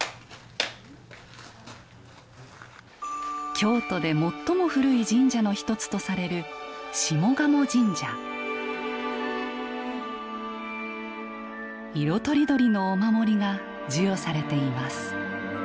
京都で最も古い神社の一つとされる色とりどりのお守りが授与されています。